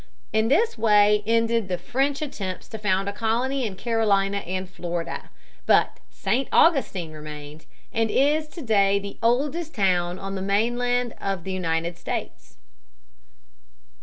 In this way ended the French attempts to found a colony in Carolina and Florida. But St. Augustine remained, and is to day the oldest town on the mainland of the United States.